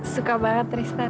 suka banget tristan